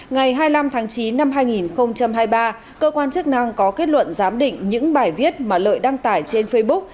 ngày hai mươi năm tháng chín năm hai nghìn hai mươi ba cơ quan chức năng có kết luận giám định những bài viết mà lợi đăng tải trên facebook